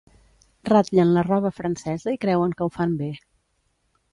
Ratllen la roba francesa i creuen que ho fan bé.